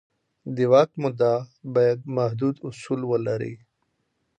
د واک موده باید محدود اصول ولري